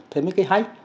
thế mới cái hay